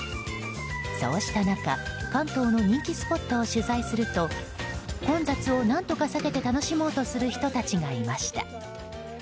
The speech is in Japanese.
そうした中、関東の人気スポットを取材すると混雑を何とか避けて楽しもうとする人たちがいました。